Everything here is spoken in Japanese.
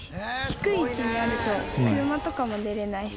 低い位置にあると車とかも出られないし。